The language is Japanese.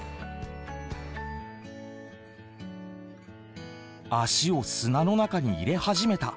足を砂の中に入れ始めた。